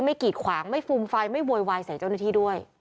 กีดขวางไม่ฟูมไฟไม่โวยวายใส่เจ้าหน้าที่ด้วย